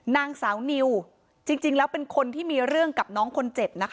นางสาวนิวเป็นคนที่มีเรื่องกับน้องคน๗